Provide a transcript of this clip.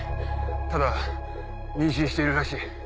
ただ妊娠しているらしい。